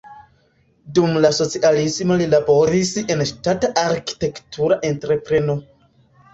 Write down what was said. Dum la socialismo li laboris en ŝtata arkitektura entrepreno.